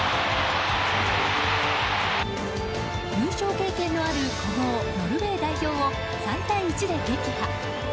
優勝経験のある古豪ノルウェー代表を３対１で撃破。